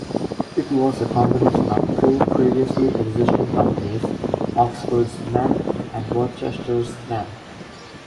It was a combination of two previously-existing companies, Oxford's Men and Worcester's Men.